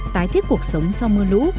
tái thiết cuộc sống sau mưa lũ